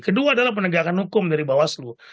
kedua adalah penegakan hukum dari bawah seluruh